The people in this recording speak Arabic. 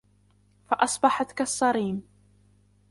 فأصبحت كالصريم